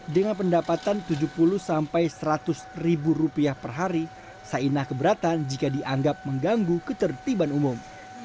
dengan pendapatan rp tujuh puluh sampai rp seratus per hari saina keberatan jika dianggap mengganggu ketertiban umum